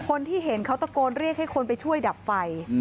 คนที่เห็นเขาตะโกนเรียกให้คนไปช่วยดับไฟ